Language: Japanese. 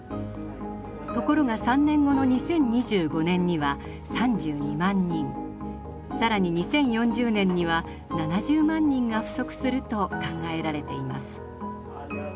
ところが３年後の２０２５年には３２万人更に２０４０年には７０万人が不足すると考えられています。